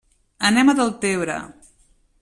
Anem a Deltebre.